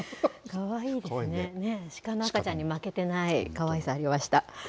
かわいいですね、鹿の赤ちゃんに負けてない、かわいさありました。